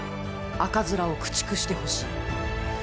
赤面を駆逐してほしい！